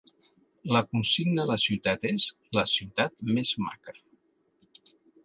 La consigna de la ciutat és La ciutat més maca.